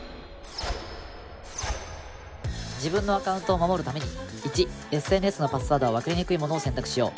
自分のアカウントを守るために１ＳＮＳのパスワードは分かりにくいものを選択しよう。